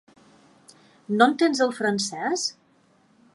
No entens el francès?